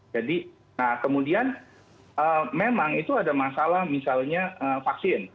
jadi nah kemudian memang itu ada masalah misalnya vaksin